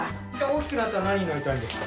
大きくなったら何になりたいんですか？